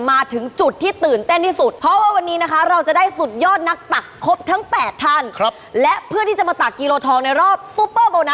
มาถึงจุดที่ตื่นเต้นที่สุด